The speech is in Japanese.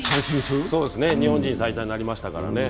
日本人最多になりましたからね。